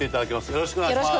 よろしくお願いします。